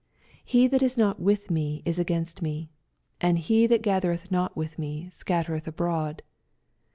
80 He that is not with me is against me ; and he that gathereth not with me scattereth abroAd.